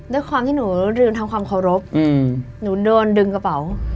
ด้วยความที่หนูลืมทำความเคารพหนูโดนดึงกระเป๋า